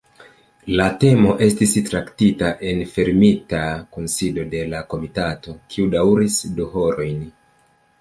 La temo estis traktita en fermita kunsido de la komitato, kiu daŭris du horojn.